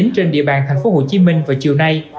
trên địa bàn thành phố hồ chí minh vào chiều nay